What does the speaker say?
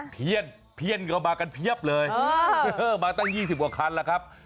เพี้ยนเพี้ยนเข้ามากันเพียบเลยมาตั้ง๒๐กว่าคันแล้วครับ